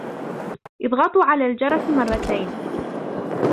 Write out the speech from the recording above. اضغطوا على الجرس مرتين.